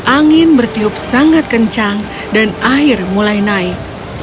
angin bertiup sangat kencang dan air mulai naik